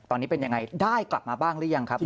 ตอนนี้เป็นยังไงได้กลับมาบ้างหรือยังครับ